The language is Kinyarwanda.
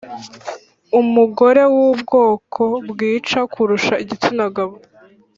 umugore wubwoko bwica kurusha igitsina gabo